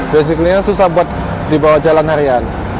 basically susah dibawa jalan harian